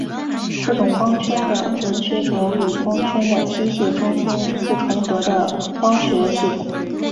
这种光圈的光学轴与光圈的机械中心不重合的光学系统。